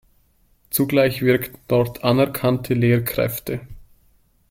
Zugleich wirkten dort anerkannte Lehrkräfte.